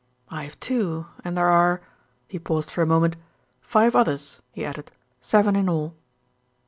"I have two, and there are" he paused for a moment "five others," he added; "seven in all."